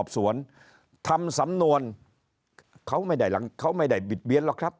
สำนวนเขาไม่ได้บิดเบียนหรอกครับ